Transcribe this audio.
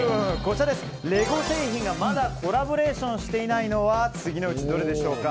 レゴ製品がまだコラボレーションしていないのは次のうちどれでしょうか？